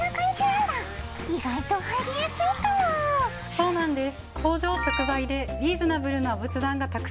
そうなんです。